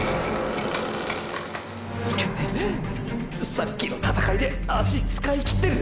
さっきの闘いで足つかいきってる！！